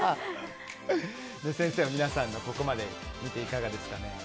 先生、皆さんのをここまで見ていかがですかね。